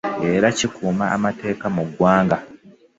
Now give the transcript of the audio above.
Era ekikuuma amateeka mu ggwanga